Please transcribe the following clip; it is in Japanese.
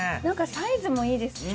なんかサイズもいいです。